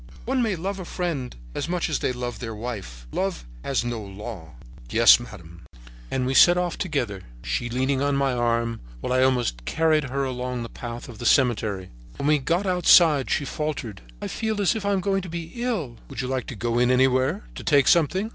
"'One may love a friend as much as they love their wife. Love has no law.' "'Yes, madame.' "And we set off together, she leaning on my arm, while I almost carried her along the paths of the cemetery. When we got outside she faltered: "'I feel as if I were going to be ill.' "'Would you like to go in anywhere, to take something?'